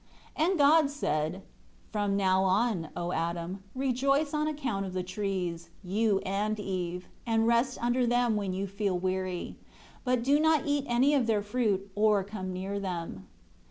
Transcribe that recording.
11 And God said, "From now on, O Adam, rejoice on account of the trees, you and Eve; and rest under them when you feel weary. But do not eat any of their fruit or come near them."